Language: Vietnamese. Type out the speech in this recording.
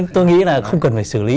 tôi nghĩ là không cần phải xử lý